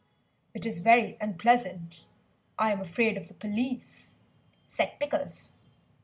"It is very unpleasant, I am afraid of the police," said Pickles.